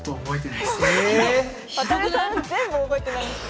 全部覚えてないですよ。